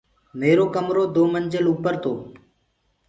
ميرو ڪمرو دو منجل اوپر تو